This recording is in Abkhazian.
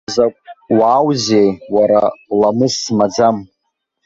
Изакә уааузеи, уара, ламыс змаӡам!